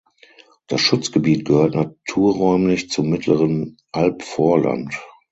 Das Schutzgebiet gehört naturräumlich zum Mittleren Albvorland.